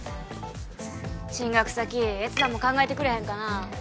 進学先越山も考えてくれへんかな